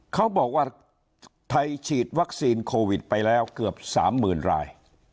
เขาบอกว่าไทยฉีดวัคซีนโควิดไปแล้วเกือบ๓๐๐๐ราย